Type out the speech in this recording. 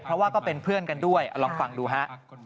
เพราะว่าก็เป็นเพื่อนกันด้วยลองฟังดูฮะ